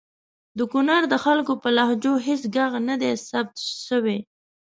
د کنړ د خلګو په لهجو هیڅ ږغ ندی ثبت سوی!